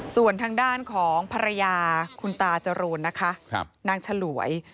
ส่วนทางด้านของภรรยาคุณตาจรูนนะคะนางฉลวย